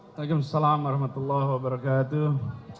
waalaikumsalam warahmatullahi wabarakatuh